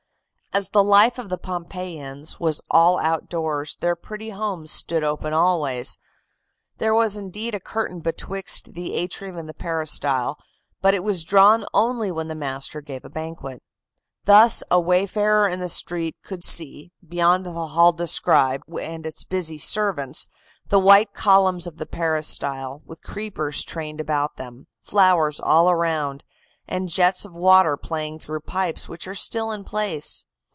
"As the life of the Pompeiians was all outdoors, their pretty homes stood open always. There was indeed a curtain betwixt the atrium and the peristyle, but it was drawn only when the master gave a banquet. Thus a wayfarer in the street could see, beyond the hall described and its busy servants, the white columns of the peristyle, with creepers trained about them, flowers all around, and jets of water playing through pipes which are still in place.